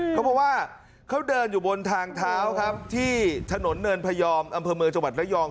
เขาบอกว่าเขาเดินอยู่บนทางเท้าครับที่ถนนเนินพยอมอำเภอเมืองจังหวัดระยอง